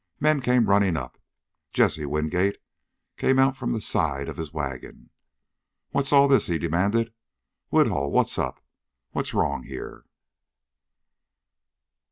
Men came running up. Jesse Wingate came out from the side of his wagon. "What's all this?" he demanded. "Woodhull, what's up? What's wrong here?"